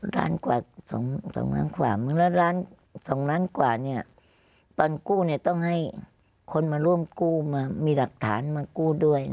ล้านกว่าสองสองล้านกว่ามึงแล้วล้านสองล้านกว่าเนี้ยตอนกู้เนี้ยต้องให้คนมาร่วมกู้มามีหลักฐานมากู้ด้วยนะ